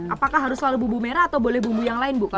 apakah harus kalau bumbu merah atau boleh bumbu yang lain bu